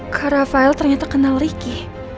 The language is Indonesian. kak rafael ternyata kenal ricky